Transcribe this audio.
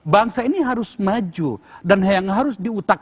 bangsa ini harus maju dan yang harus diutak